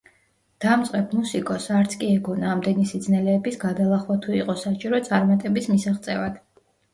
დამწყებ მუსიკოსს არც კი ეგონა ამდენი სიძნელეების გადალახვა თუ იყო საჭირო წარმატების მისაღწევად.